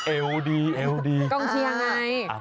เอวดีเอวดีกองเชียร์ไง